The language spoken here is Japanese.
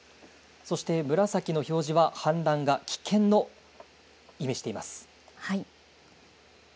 そして紫の表示は氾濫が危険を意味しています。